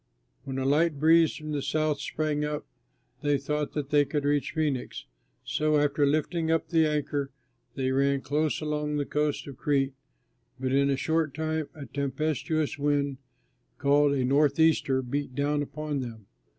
When a light breeze from the south sprang up, they thought that they could reach Phœnix. So, after lifting up the anchor, they ran close along the coast of Crete: but in a short time a tempestuous wind called a "Northeaster" beat down upon them.